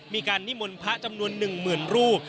มีการนิมนภะจำนวนหนึ่งหมื่นรูป